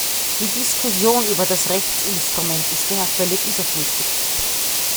Die Diskussion über das Rechtsinstrument ist daher völlig überflüssig.